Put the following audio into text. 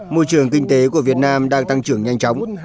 môi trường kinh tế của việt nam đang tăng trưởng nhanh chóng